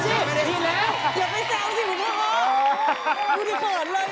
ดีแล้วอย่าไปแซวสิหมูพ่อ